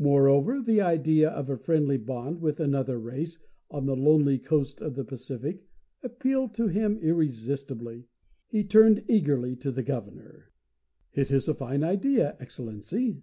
Moreover, the idea of a friendly bond with another race on the lonely coast of the Pacific appealed to him irresistibly. He turned eagerly to the Governor. "It is a fine idea, Excellency.